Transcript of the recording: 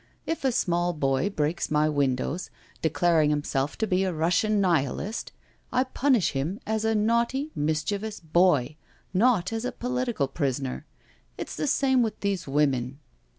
If a small boy breaks my windows, declaring himself to be a Russian Nihilist, I punish him as a naughty, mis chievous boy, not as a political prisoner. It's the same with these women."